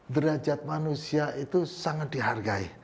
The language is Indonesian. derajat manusia itu sangat dihargai